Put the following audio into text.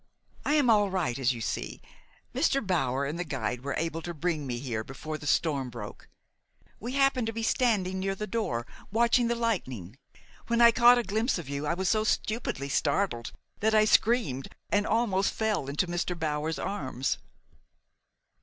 I am all right, as you see. Mr. Bower and the guide were able to bring me here before the storm broke. We happened to be standing near the door, watching the lightning. When I caught a glimpse of you I was so stupidly startled that I screamed and almost fell into Mr. Bower's arms."